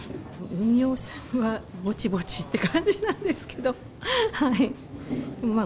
運用はぼちぼちって感じなんですけど、でもまあ